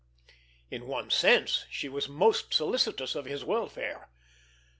In one sense she was most solicitous of his welfare!